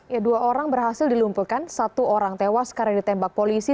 ya dua orang berhasil dilumpuhkan satu orang tewas karena ditembak polisi